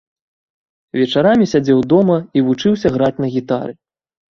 Вечарамі сядзеў дома і вучыўся граць на гітары.